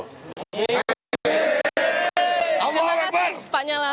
terima kasih pak nyala